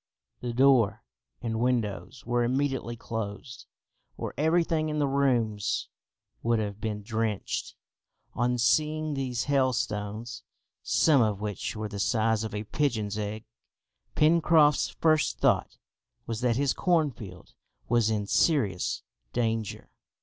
The door and windows were immediately closed, or everything in the rooms would have been drenched. On seeing these hailstones, some of which were the size of a pigeon's egg, Pencroft's first thought was that his cornfield was in serious danger.